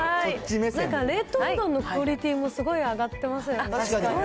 冷凍うどんのクオリティーもすごい上がってますよね。